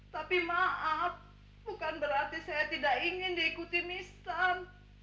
tapi maaf bukan berarti saya tidak ingin diikuti nissan